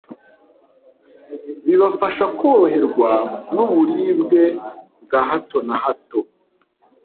bibafasha koroherwa n'uburibwe bwa hato na hato